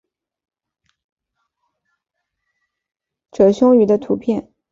褶胸鱼的图片